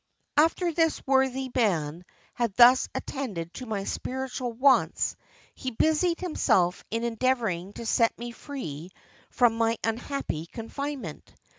"After this worthy man had thus attended to my spiritual wants, he busied himself in endeavouring to set me free from my unhappy confinement.